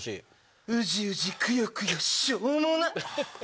うじうじくよくよしょうもな！